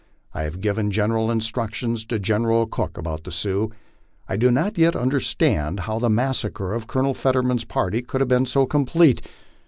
1 have given general instructions to General Cooke about the Sioux. I do not yet understand how the massacre of Colonel Fetterman's party could have been so complete.